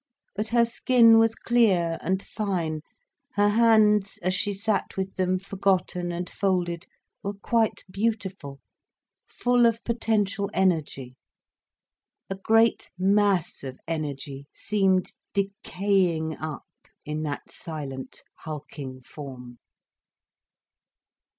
But her skin was clear and fine, her hands, as she sat with them forgotten and folded, were quite beautiful, full of potential energy. A great mass of energy seemed decaying up in that silent, hulking form.